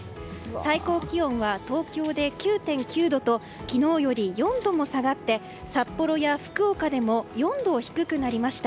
最高気温は東京で９．９度と昨日より４度も下がって札幌や福岡でも４度低くなりました。